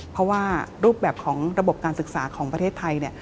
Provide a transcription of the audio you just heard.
เพราะว่ารูปแบบของระบบการศึกษาของประเทศไทยเนี่ย